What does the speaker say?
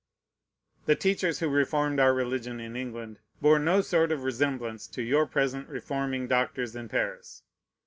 The teachers who reformed our religion in England bore no sort of resemblance to your present reforming doctors in Paris.